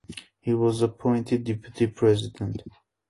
He was appointed deputy president.